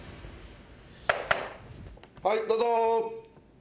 はいどうぞ。